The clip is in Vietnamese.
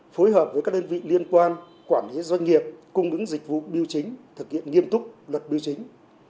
phối hợp với các đơn vị liên quan quản lý doanh nghiệp cung ứng dịch vụ biêu chính thực hiện nghiêm túc luật biểu chính